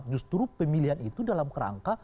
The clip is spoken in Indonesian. justru pemilihan itu dalam kerangka